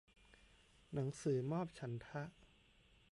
หนังสือมอบฉันทะ